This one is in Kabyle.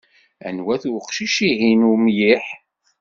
Anwa-t uqcic-ihin umliḥ?